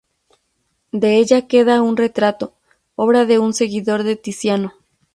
De ella queda un retrato, obra de un seguidor de Tiziano.